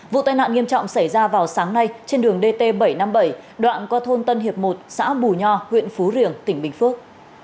vụ tai nạn nghiêm trọng xảy ra vào sáng nay trên đường dt bảy trăm năm mươi bảy đoạn qua thôn tân hiệp một xã bù nho huyện phú riềng tỉnh bình phước